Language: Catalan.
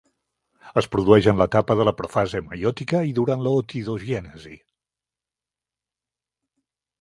Es produeix en l'etapa de la profase meiòtica I durant l'ootidogènesi.